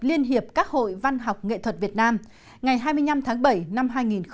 liên hiệp các hội văn học nghệ thuật việt nam ngày hai mươi năm tháng bảy năm hai nghìn một mươi chín